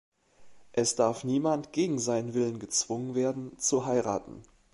Es darf niemand gegen seinen Willen gezwungen werden, zu heiraten.